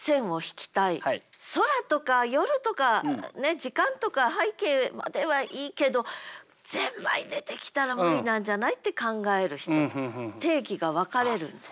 「空」とか「夜」とか時間とか背景まではいいけど「発条」出てきたら無理なんじゃない？って考える人と定義が分かれるんです。